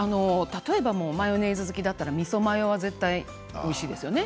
例えばマヨネーズ好きだったら、みそマヨは絶対おいしいですね。